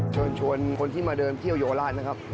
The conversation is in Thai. ชวนคนที่มาเดินเที่ยวโยราชนะครับ